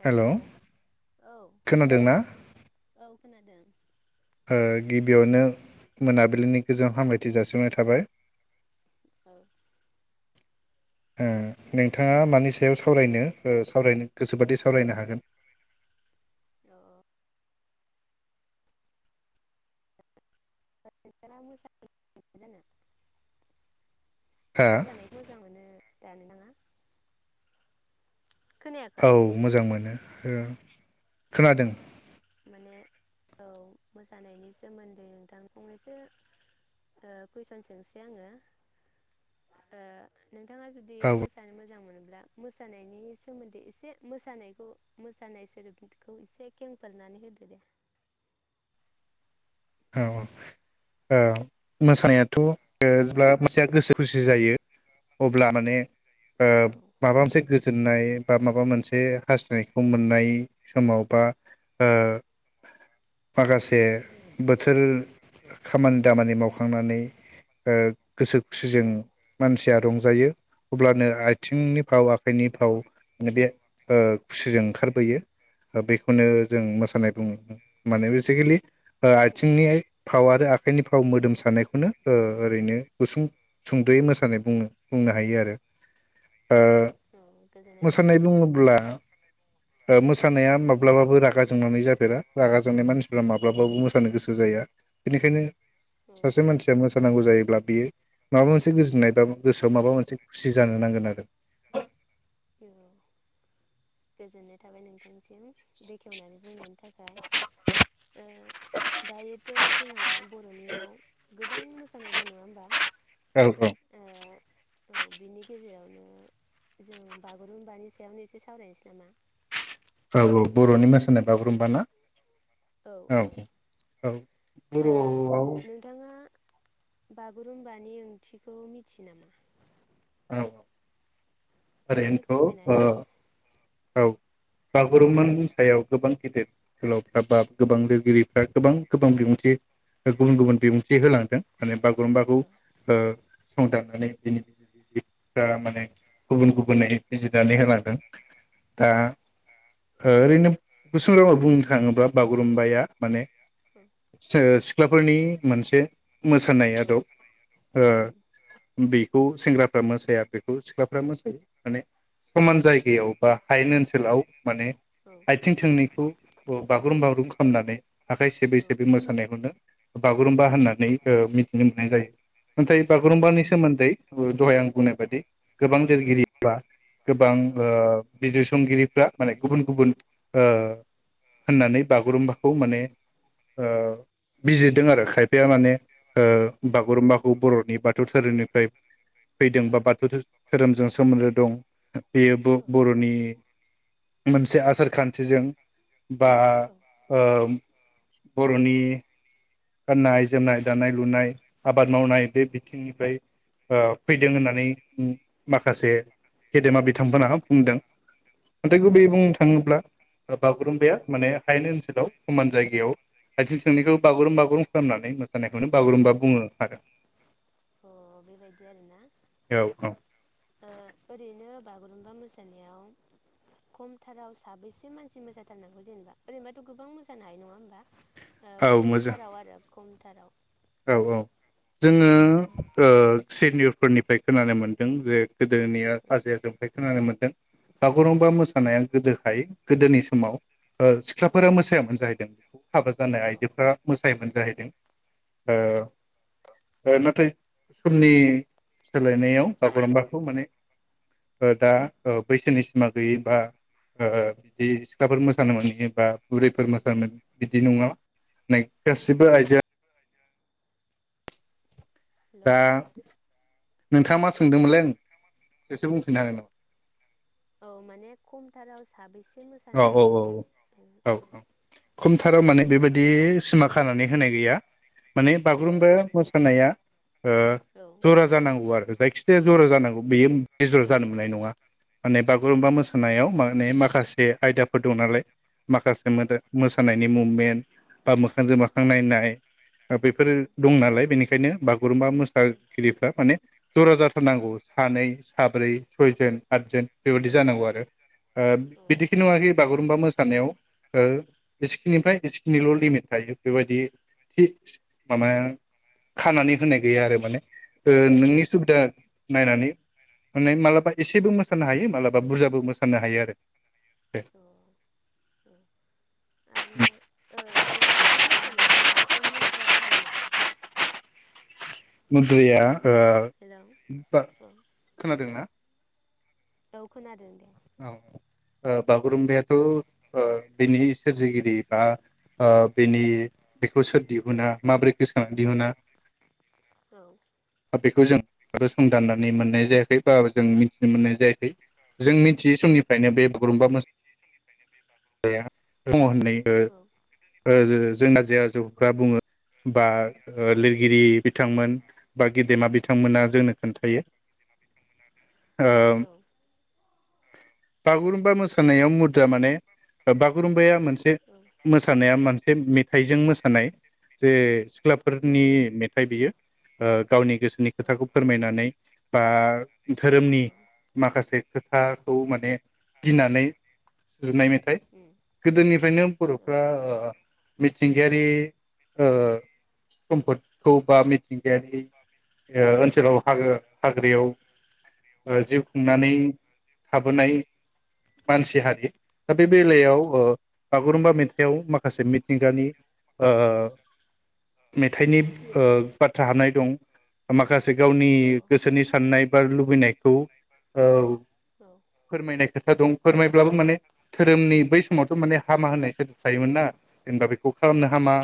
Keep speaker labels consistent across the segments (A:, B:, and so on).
A: हेल
B: hello
A: औ
B: खोनादोंना
A: औ खोनादों
B: ओ गिबियावनो मोनाबिलिनि गोजों हामलायथि जासिनाय थाबाय।
A: ओ
B: ओ नोंथाङा मानि सायाव सावरायनो ओ सावरायनो गोसोबादि सावरायनो हागोन।
A: अ [unintelligible]
B: हा
A: होननानै मोजां मोनो दानो नाङा
B: औ मोजां मोनो। खोनादों
A: अ माने औ मोसानायनि सोमोन्दै नोंथां फंनैसो कुइसन सोंसै आङो नोंथाङा जुदि
B: औ
A: मोसानो मोजां मोनोब्ला मोसानायनि सोमोन्दै एसे मोसानायखौ मोसानाय सोदोब थ एसे खेंफोरनानै होदो दे
B: औ औ औ मोसानायाथ जेब्ला मोसया गोसो खुसि जायो अब्ला माने
A: औ
B: माबा मोनसे गोजोननाय बा माबा मोनसे हास्थायनायखौ मोननाय समाव बा ओ माखासे बोथोर खामानि दामानि मावखांनानै गोसो खुसिजों
A: औ
B: मानसिया रंज जायो अब्लानो आइ थिनि फाव आखाइनि फाव बे ओ खुसिजों
A: औ अ उम
B: ओंखारबोयो। बेखौबो जों मोसानाय बुङो माने बेसिकेलि
A: उम
B: आथिंनि पावार आखाइनि फाव मोदोम सानायखौनो ओरैनो गुसुं सुंदयै मोसानाय बुंनो हायो आरो
A: औ गोजोननाय
B: मोसानाय
A: औ
B: बुङोब्ला मोसानाया
A: औ
B: माब्लाबाबो रागा जोंनानै जाफेरा रागा जोंनाय मानसिफ माब्लाबाबो मो जानो गोसो जाया बेनिखायनो
A: औ
B: सासे मानसिया मोसानांगौ जायो। बियो माबा मोनसे गोजोननाय बा गोसोआव माबा मोनसे खुसि जानो नांगोन आरो
A: औ गोजोननाय थाबाय नोंथांसिम बेखेवनानै बुंनायनि थाखाय ओ दायोथ जोंङा - बरनियाव गोबां मोसानाय दङ नङा होमबा?
B: औ औ
A: ओ औ बिनि गेजेरावनो जों बागुरुम्बानि सायावनो एसे सावरायनोसै नामा?
B: औ औ बरनि मोसानाय बागुरुम्बा ना
A: औ औ
B: औ
A: औ
B: बर'आव
A: नोंथाङा बागुरुम्बानि ओंथिखौ मिथियो नामा?
B: औ औ
A: एसे
B: ओरैन्थ ओ
A: फोरमायना होदो दे
B: औ बागुरुमनि सायाव गोबां गेदेर जहोलावफ्रा बा गोबां लिरगिरिफ्रा गोबां गोबां बिबुंथि गुबुन गुबुन बिबुंथि होलांदों माने बागुरुम्बाखौ
A: औ
B: ओ सं दनानै बिनि बिजिरगिरि दा माने गुबुन गुबुनै बिजिनानै होलां दों दा
A: औ
B: ओरैनो गुसुं रावाव बुंनो थाङोब्ला बागुरुम्बाया माने सिख्लाफोरनि मोनसे मोसानाय
A: औ औ
B: आदब
A: उम
B: ओ बेखौ सेंग्रा मोसाया बेखौ मोसायो माने समान जायगायाव बा हायेन ओन्सोलाव माने
A: औ
B: आयथिं थोंनैखौ ओ बाव बाग्रुम बाग्रुम खामनानै आखाय
A: औ
B: सिबै सिबै मोसानायखौनो बागुरुम्बा होन्नानै नै ओ मिथिनो मोन्नाय जायो। नाथाय बागुरुम्बानि सोमोन्दै ओ दहाय आं बुंनाय बादि गोबां लिरगिरि बा गोबां ओ बिजिरसंगिरिफ्रा माने गुबुन गुबुन ओ होन्नानै बागुरुम्बाखौ माने ओ बिजिर दों आरो खायफाया माने ओ बागुरुम्बाखौ बर'नि बाथौ धोरोमनिफ्राय फैदों बा बाथौ धो धोरोमजों सोमोन्दो दं बेयो बु बर'नि मोनसे आसार खान्थिजों बा ओ बर'नि नि गान्नाय, जोमनाय, दानाय, लुनाय, आबाद मावनाय बे बिथिंनिफ्राय ओ फैदों होन्नानै माखासे गेदेमा बिथांमोनहा बुंदों। नाथाय गुबैयै बुंनो थाङोब्ला बागुरुम्बाया माने हायेन ओन्सोलाव समान जायगायाव आयथिं थोंनैखौ बागुरुम बागुरुम [unintelligible] खालामनानै मोसानाय बेखौनो बागुरुम्बा
A: उम
B: बुङो आरो।
A: अ बेबायदि आरो ना
B: औ औ
A: ओ ओरैनो बागुरु रुम्बा मोसानायाव खमथाराव साबैसे मानसि मोसाथारनांगौ जेनेबा ओरैनोबाथ गोबां मोसानो हायो नङा होमबा? ओ
B: औ मोजां
A: खमथाराव आरो खमथा थाराव
B: औ औ। जोङो ओ सिनियरफोरनिफ्राय खोनानो मोन्दों जे गोदोनिया हाजै आजोंफ्राय खोनानो मोन्दों बागुरुमबा
A: उम
B: मोसानाया गोदोरखाय गोदोनि समाव ओ
A: औ
B: सिख्लाफोरा मोसायामोन जाहैदों बेखौ हाबा
A: औ
B: जानाय आइजोफोरा मोसायोमोन जाहैदों। [unintelligible] ओ
A: औ
B: ओ नाथाय समनि सोलायनायाव बागुरुम्बाखौ माने ओ दा ओ बैसोनि सिमा गैयि बा ओ बिदि सिख्लाफोर मोसानो मोनि बा बुरैफोर मोसानो मोनि बिदि नङा। नै गासिबो आइजोआ दा
A: हेलौ औ
B: नोंथाङा मा सोंदोंमोनलाय आं इसे बुंफिनो हागोन नामा।
A: औ माने खमथाराव साबैसे।
B: औ औ औ औ औ औ खमथाराव माने बेबायदि सिमा खानानै होनाय गैया माने
A: औ
B: बागुरुम्बाया
A: अ
B: मोसानाया ओ
A: औ
B: जरा जानांगौ आरो जायखि एसे जर जानांगौ बेयो बे जर जानो मोननाय नङा। माने बागुरुम्बा मोसानायाव माने माखासे। जे आयदाफोर दं नालाय। माखासे मोदो मोसानायनि मुभमेन्ट बा मोखांजों मोखां नायनाय। बेफोरो
A: औ
B: दं नालाय बेनिखायनो बा। बागुरुम्बा मोसागिरिफ्रा माने जरा जार फोरनांगौ सानै साब्रै सयजोन आदजोन बेबादि जानांगौ आरो।
A: अ
B: बिदिखि नङााखि बागुरुम्बा मोसानायाव ओ इसिखिनिफ्राय एसेखिनिल लिमिट थायो बेबायदि थि माबा खानानै होनाय गैया आरो माने
A: औ अ
B: नोंनि सुबिदा नायनानै माने मालाबा एसेबो मोसानो हायो मालाबा बुरजाबो मोसानो हायो आरो बे
A: औ आरो ओ बेयाव ब सोरनाव माबाफोर मुद्रा बाहायो नामा।
B: मुद्ररिया
A: हेलौ औ
B: खोनादोंना।
A: औ खोनादों नों
B: औ बागुरुम्बायाथ ओ बिनि सोरजिगिरि बा ओ बिनि बेखौ सोर दिहुना माब्रै गोसोखांना दिहुना।
A: औ।
B: बेखौ जों आरो संदाननानै मोननाय जायाखै बा जों मिथिनो मोननाय जायाखै।
A: औ
B: जोंनि। थि समनिफ्रायनो बे
A: औ उम औ
B: बागुरुम्बा
A: उम औ अ
B: मोसानाया दङ होननाय
A: उम
B: जोंना जे आजौफ्रा बुं [inaudible] बा लिरगिरि बिथांमोन
A: उम
B: बा गेदेमा बिथांमोना जोंनो। खोन्थायो। ओ। बागुरुम्बा मोसानायाव मुद्रा माने। बागुरुमबाया मोनसे मोसानाया मोनसे मेथाइजों मोसानाय जे सिख्लाफोरनि मेथाइ बियो
A: औ
B: गावनि गोसोनि खोथाखौ फोरमायनानै बा धोरोमनि माखासे। खोथाखौ माने गिनानै सुजुनाय मेथाइ। गोदोनिफ्रायनो बर'फ्रा मिथिंगायारि सम्फदखौ बा मिथिंगायारि ओनसोलाव हा हाग्रायाव जिउ खुंनानै। थाबोनाय मानसि हारि दा बे बेलायाव ओ बागुरुमबा मेथाइआव माखासे मिथिंगानि ओ मेथाइनि ओ बाथ्रा हाबनाय दं माखासे गावनि गोसोनि साननाय बा लुबैनायखौ औ फोरमायनाय खोथा दं फोरमायब्लाबो माने धोरोमनि बै समावथ' माने हामा होननाय सो थायोमोन ना जेनेबा बेखौ खालामनो हामा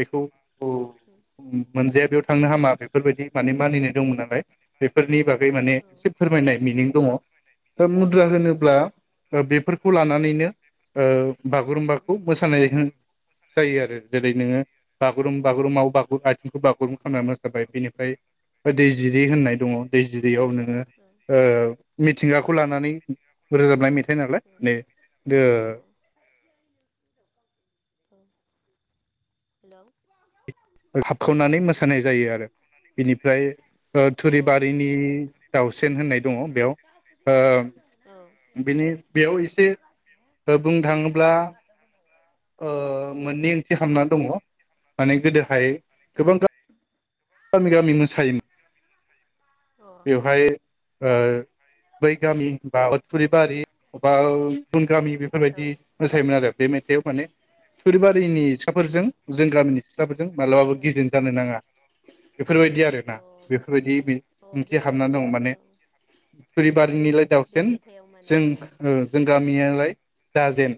B: बेखौ मोनजाया बे थांनो हामा बे बेफोरबायदि माने मानिनाय दंमोन नालाय बेफोरनि बागै माने एसे फोरमायनाय मिनिं दङ। मुद्रा होनोब्ला बेफोरखौ लानानैनो ओ बागुरुम्बाखौ मोसानाय जायो आरो जेरै नोङो बागुरुम बागुरुमबा आथिंखौ बागुरुमब खामना मोसाबाय। दै जिरि होननाय दङ दै जिरियाव नोङो ओ मिथिंगाखौ लानानै रोजाबनाय मेथाइ नालाय
A: औ
B: माने दो
A: औ औ [inaudible]
B: हाबखावनानै मोसानाय जायो आरो। बिनिफ्राय
A: औ
B: थुरिबारिनि दाउसेन होननाय दङ बेयाव ओ बिनि बेयाव एसे बुंनो थाङोब्ला ओ
A: अ
B: मोननै ओंथि खालामामनानै दङ माने
A: औ
B: हाय गोबां गा गामि गामि मोसायोमो बेवहाय अ बै गामि बा उदफुरिबारि बा गुबुन गामि बेफोरबायदि मोसायोमोन आरो। बे मेथाइआव माने थुरिबारिनि सिखाफोरजों जों गामिनि सिख्लाफोरजों मालाबाबो गेजेन जानो नाङा बेफोरबायदि
A: औ
B: आरोना बेफोरबायदि
A: औ
B: एसे
A: बे
B: हाबना दङ माने
A: औ
B: थुरिबारिनिलाय
A: बे
B: दाउसिन
A: मेथाइआव माने
B: जों जों
A: उम
B: गामियालाय दाजेन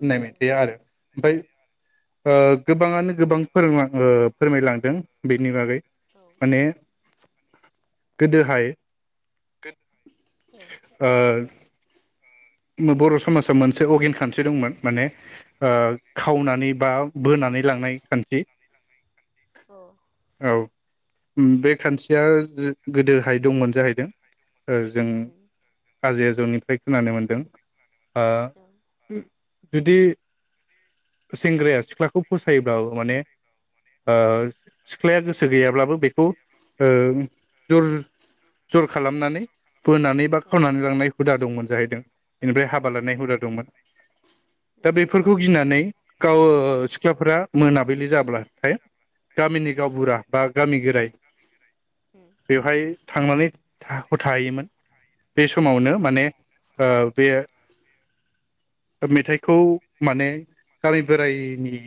B: होननाय
A: औ
B: मेथाया आरो
A: उम
B: ओमफ्राय गोबाङानो गोबां फोर फोरमायलांदों बेनि बागै
A: औ
B: माने गोदोहाय
A: उम औ
B: ओ बर' समाजाव मोनसे अगिन खान्थि दंमोन माने ओ
A: औ
B: खावनानै बा बोनानै लांनाय खान्थि।
A: औ
B: औ बे खान्थिया गोदोहाय दंमोन जाहैदों। जों
A: उम
B: आजै आजौनिफ्राय खोनानो मोन ओ जुदि सेंग्राया सिख्लाखौ फसायोब्लाबो माने ओ सिख्लाया गोसो गैयाब्लाबो बेखौ जुर जर खालामनानै बोनानै बा खावनानै लांनाय हुदा दंमोन जाहैदों। बेनिफ्राय हाबा लानाय हुदा दंमोन दा बेफोरखौ गिनानै गाव सिख्लाफोरा मोनाबिलि जाब्लाथाय गामिनि गावबुरा बा गामि गोराय
A: उम
B: बेवहाय थांनानै [unintelligible] थाहैमोन बे समावनो माने ओ बे मेथाइखौ माने गाराय बोरायनि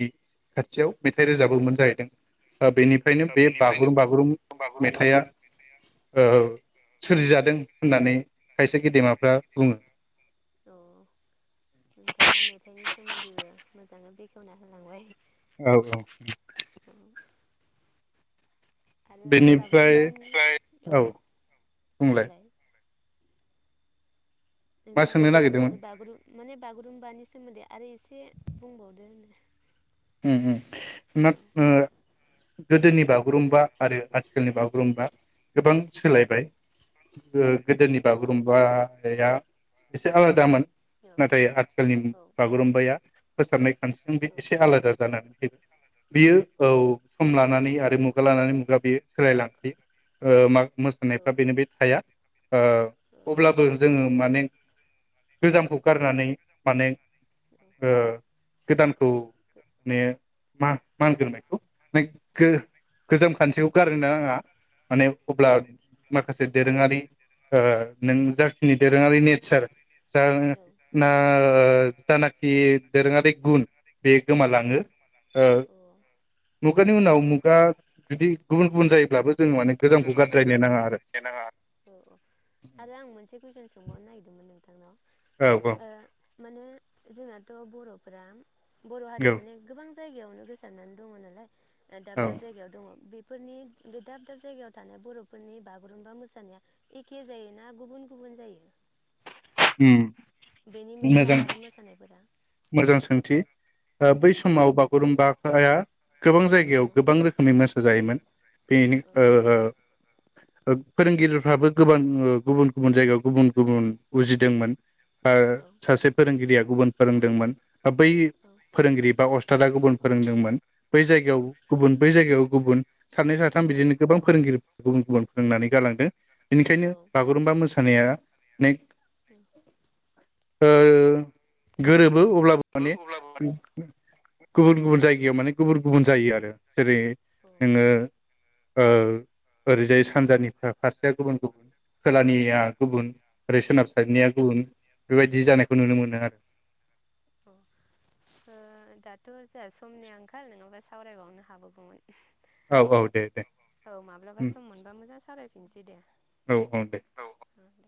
B: खाथियाव मेथाइ रोजाबोमोन जाहैदों। बेनिफ्रायनो
A: अ
B: बे
A: बेनिफ्रायनो
B: बागुरुम बागुरुम
A: बागुरुम
B: मेथाइआ ओ सोरजिजादों होननानै खायसे गेदेमाफ्रा बुङो।
A: औ नोंथाङा मेथाइनि सोमोन्दैबो मोजाङै बेखेवना होलांबाय।
B: औ औ
A: औ आरो
B: बेनिफ्राय
A: बागुरुम्बा होन औ
B: बुंलाय
A: देलाय
B: मा
A: नोंथाङा
B: सोंनो
A: बुंलाय
B: नागिरदोंमोन
A: आरो बागुरू माने बागुरुम्बानि सोमोन्दै आरो एसे बुंबावदो?
B: ओम ओम ओ गोदोनि बागुरुम्बा आरो आथिखालनि बागुरुम्बा गोबां
A: औ
B: सोलायबाय गोदोनि ओ
A: औ
B: बागुरुम्बाया एसे आलादामोन नाथाय आथिखालनि बागुरुम्बाया फोसाबनाय खान्थिजों बे एसे जानानै फैबाय। बियो औ सम लानानै आरो मुगा लानानै मुगा बेयो सोलायलांखायो ओ
A: औ औ
B: मोसानायफ्रा बेनो बे थाया
A: औ अ
B: ओ अब्लाबो जोङो माने गोजामखौ गारनानै माने ओ गोदानखौ ने मा-मानग्रोनायखौ गो-गोजाम खान्थियाव गार फोरोंनाङा माने अब्ला
A: बेखौ
B: माखासे दोरोङारि ओ नों जाखिनि दोरोङारि नेचार जा ना ओ जानाखि दोरोंआरि गुन बे लाङो ओ मुगानि उनाव मुगा जुदि गुबुन गुबुन जायोब्लाबो जों माने गोजामखौ
A: जोङो माने
B: गारद्रायनो नाङा आरो
A: औ औ आरो आं मोनसे कुइसन सोंबावनो [unintelligible]
B: औ औ
A: ओ माने जोंनाथ बर' फोरा बर' हारिया
B: औ
A: माने गोबां जायगायावनो गोसारनानै दङ नालाय दाब
B: औ
A: दाब जायगायाव दङ बे फोरनि बे दाब दाब जायगायाव थानाय बरफोरनि बागुरुम्बा मोसानाया एखे जायो ना गुबुन गुबुन जायो?
B: होम
A: बेनि मेथाइ आरो मोसानायफोरा?
B: मोजां सोंथि। ओ बै
A: औ
B: समाव बागुरुम्बाया गोबां
A: औ
B: जायगायाव गोबां रोखोमै मोसा जायोमोन। बेनोख ओ ओ ओब फोरोंगिरि फ्राबो गोबां गुबुन गुबुन जायगायाव गुबुन गुबुन उजिदोंमोन। आर सासे फोरोंगिरिया गुबुन फोरोंदोंमोन। ओब बै फोरोंगिरि बा अ थारा गुबुन फोरोंदोंमोन। बै
A: औ
B: जायगायाव गुबुन बै जायगायाव गुबुन सानै साथाम
A: औ
B: बिदिनो गोबां फोरोंगिरि गुबुन गुबुन फोरोंनानै गालांदों। बेनिखायनो
A: अब्लाबो
B: बागुरुम्बा मोसानाया नै ओ गोरोब अब्लाबो माने गुबुन गुबुन जायगायाव माने गुबुन गुबुन जायो आरो। जेरै
A: औ
B: नोङो ओ ओरैजाय सानजानि फारसेया गुबुन गुबुन खोलानिया गुबुन ओरै
A: औ
B: सोनाबसारनाया गुबुन बेबायदि जानाय खौ नुनो मोनो आद
A: औ ओ दाथ जोंहा समनि आंखाल नङाबा सावरायबावनो हाबावगौमोन।
B: औ औ दे दे
A: औ माब्लाबा
B: उम
A: सम मोनबा मोजां सालायफिनसै दे
B: औ दे
A: औ दे।